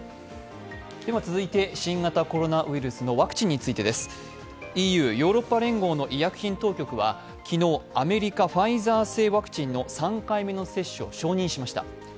続いて、新型コロナウイルスのワクチンについてです。ＥＵ＝ヨーロッパ連合の医薬品当局は昨日、アメリカ・ファイザー製のワクチンの３回目接種を承認しました。